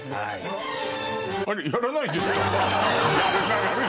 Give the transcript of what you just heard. あれっ？やらないんですか？